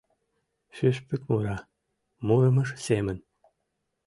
Шӱшпык мура... мурымыж семын